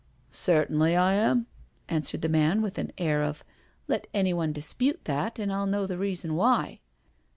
'*" Certainly I am,*' answered the man, with an air of " Let anyone dispute that, and I'll know the reason why."